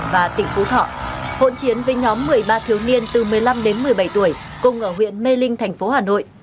và tỉnh phú thọ hộn chiến với nhóm một mươi ba thiếu niên từ một mươi năm đến một mươi bảy tuổi cùng ở huyện mê linh thành phố hà nội